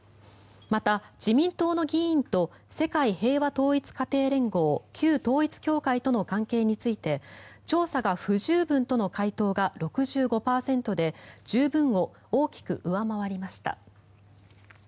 また、自民党の議員と世界平和統一家庭連合旧統一教会との関係について調査が不十分との回答が６５％で十分を大きく上回りました。